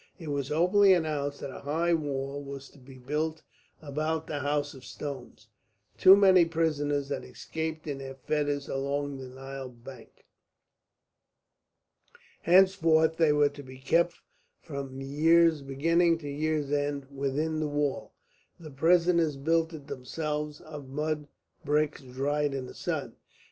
It was openly announced that a high wall was to be built about the House of Stone. Too many prisoners had escaped in their fetters along the Nile bank. Henceforward they were to be kept from year's beginning to year's end within the wall. The prisoners built it themselves of mud bricks dried in the sun.